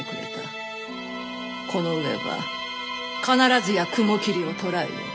この上は必ずや雲霧を捕らえよ。